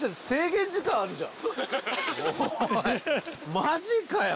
マジかよ